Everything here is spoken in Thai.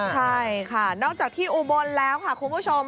ใช่ค่ะนอกจากที่อุบลแล้วค่ะคุณผู้ชม